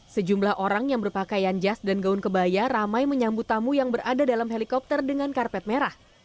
sejumlah orang yang berpakaian jas dan gaun kebaya ramai menyambut tamu yang berada dalam helikopter dengan karpet merah